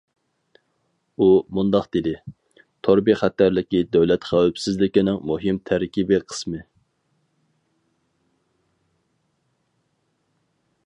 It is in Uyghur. ئۇ مۇنداق دېدى: تور بىخەتەرلىكى دۆلەت خەۋپسىزلىكىنىڭ مۇھىم تەركىبىي قىسمى.